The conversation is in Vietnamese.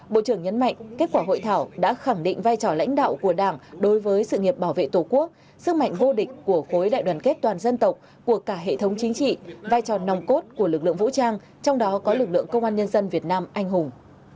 bộ trưởng nhấn mạnh kết quả hội thảo đã khẳng định vai trò lãnh đạo của đảng đối với sự nghiệp bảo vệ tổ quốc sức mạnh vô địch của khối đại đoàn kết toàn dân tộc của cả hệ thống chính trị vai trò nòng cốt của lực lượng vũ trang trong đó có lực lượng công an nhân dân việt nam anh hùng